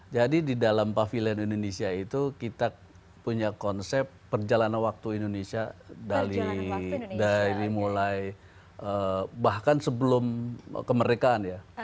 jadi di dalam pavilion indonesia itu kita punya konsep perjalanan waktu indonesia dari mulai bahkan sebelum kemerdekaan ya